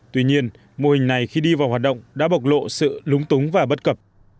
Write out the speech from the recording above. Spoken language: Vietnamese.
tuy nhiên mô hình này khi đi vào hoạt động đã bộc lộ sự lúng túng và bất cập